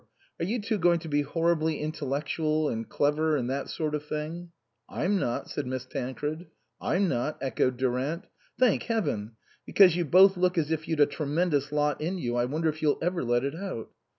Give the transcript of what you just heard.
Are you two going to be horribly intellectual and clever and that sort of thing?" " I'm not," said Miss Tancred. " I'm not," echoed Durant. " Thank Heaven ! Because you both look as if you'd a tremendous lot in you. I wonder if you'll ever let it out."